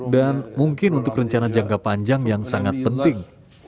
dan mungkin untuk rencana jangka panjang yang sangat penting